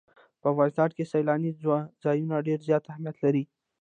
په افغانستان کې سیلاني ځایونه ډېر زیات اهمیت لري.